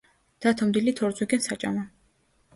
დათომ დილით ორ ზვიგენს აჭამა.